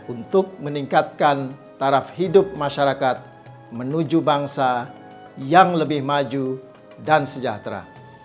untuk meningkatkan taraf hidup masyarakat menuju bangsa yang lebih maju dan sejahtera